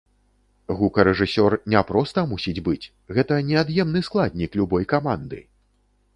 Гукарэжысёр не проста мусіць быць, гэта неад'емны складнік любой каманды!